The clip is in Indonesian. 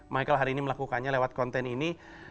michael hari ini melakukannya lewat konten ini